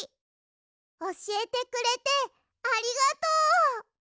おしえてくれてありがとう！